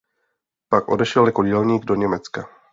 Pak odešel jako dělník do Německa.